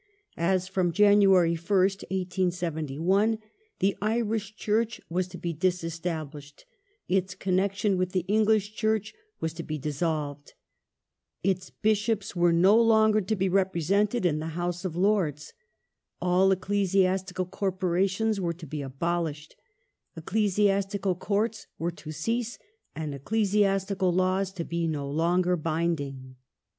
As from January 1st, 1871, the .' Irish Church was to be disestablished : its connection with the English Church was to be dissolved ; its Bishops were no longer to be represented in the House of Lords ;^ all ecclesiastical Cor porations were to be abolished ; ecclesiastical Courts were to cease and ecclesiastical laws to be no longer binding.